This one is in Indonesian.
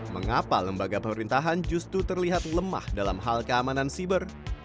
mengapa lembaga pemerintahan justru terlihat lemah dalam hal keamanan siber